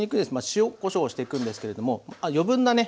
塩・こしょうしていくんですけれども余分なね